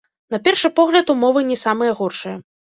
На першы погляд, умовы не самыя горшыя.